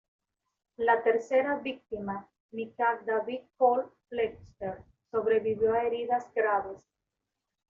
La tercera víctima, Micah David-Cole Fletcher, sobrevivió a heridas graves.